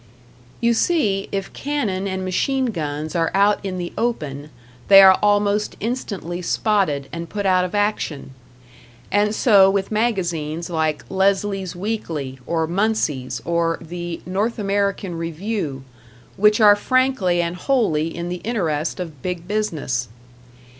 You see, if cannon and machine guns are out in the open, they are almost instantly spotted and put out of action; and so with magazines like "Leslie's Weekly", or "Munsey's", or the "North American Review", which are frankly and wholly in the interest of Big Business.